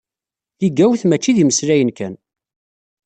Tigawt mačči d imeslayen kan.